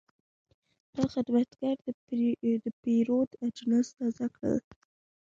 دا خدمتګر د پیرود اجناس تازه کړل.